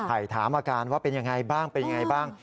ถามอาการว่าเป็นยังไงบ้างเป็นยังไงบ้าง